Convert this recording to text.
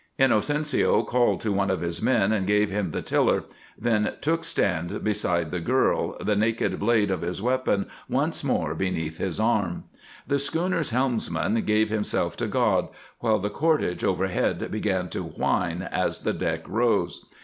Inocencio called to one of his men and gave him the tiller, then took stand beside the girl, the naked blade of his weapon once more beneath his arm. The schooner's helmsman gave himself to God, while the cordage overhead began to whine as the deck rose.